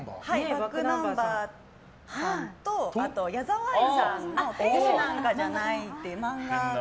ｂａｃｋｎｕｍｂｅｒさんとあと矢沢あいさんの「天使なんかじゃない」っていう漫画が。